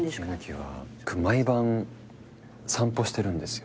僕毎晩散歩してるんですよ。